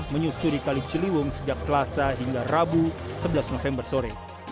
menyusuri kaliciliwung sejak selasa hingga rabu sebelas november sore